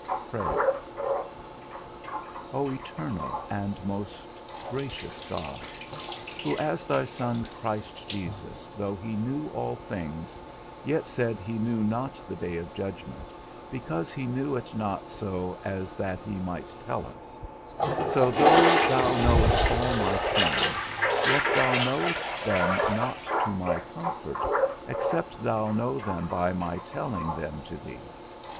X. PRAYER. O eternal and most gracious God, who as thy Son Christ Jesus, though he knew all things, yet said he knew not the day of judgment, because he knew it not so as that he might tell us; so though thou knowest all my sins, yet thou knowest them not to my comfort, except thou know them by my telling them to thee.